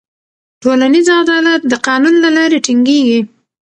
ټولنیز عدالت د قانون له لارې ټینګېږي.